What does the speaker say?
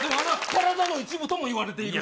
体の一部ともいわれている。